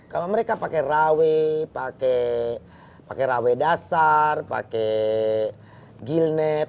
kalau mereka pakai rawe pakai rawe dasar pakai gilnet